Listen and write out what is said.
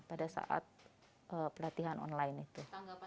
pada saat pelatihan online itu